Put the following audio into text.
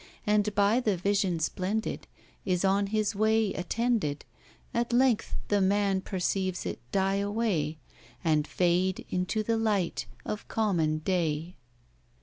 And by the vision ^lendid Is on his way attended; At length the man perceives it die away. And fade into the light of common day.